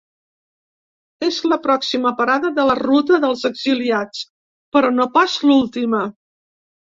És la pròxima parada de la ruta dels exiliats, però no pas l’última.